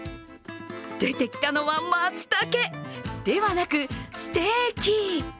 出てきたのはまつたけではなくステーキ！